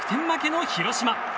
負けの広島。